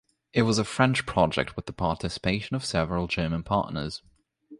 It was a French project with the participation of several German partners.